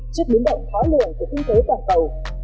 trước biến động khó lường của kinh tế toàn cầu